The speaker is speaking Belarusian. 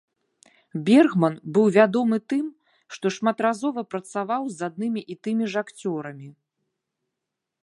Бергман быў вядомы тым, што шматразова працаваў з аднымі і тымі ж акцёрамі.